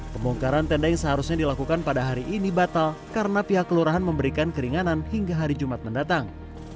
pembongkaran tenda yang seharusnya dilakukan pada hari ini batal karena pihak kelurahan memberikan keringanan hingga hari jumat mendatang